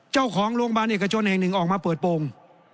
เจ้าของโรงพยาบาลเอกชนแห่งหนึ่งออกมาเปิดโปรง